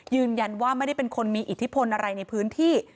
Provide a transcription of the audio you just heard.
ยืนยันว่าไม่ได้เป็นคนมีอิทธิพลอะไรในพื้นที่